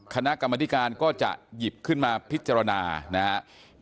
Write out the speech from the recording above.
คณะกรรมธิการก็จะหยิบขึ้นมาพิจารณานะครับ